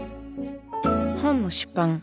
本の出版